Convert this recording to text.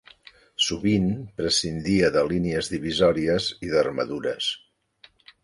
Sovint prescindia de línies divisòries i d'armadures.